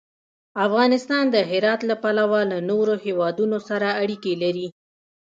افغانستان د هرات له پلوه له نورو هېوادونو سره اړیکې لري.